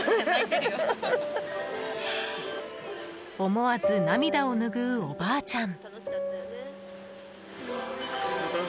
思わず涙を拭うおばあちゃん。